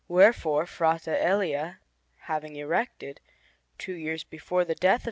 Wherefore, Frate Elia having erected, two years before the death of S.